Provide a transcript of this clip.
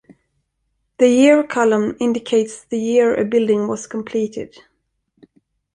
The "Year" column indicates the year a building was completed.